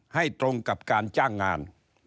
ให้ตรงกับการจ้างงาน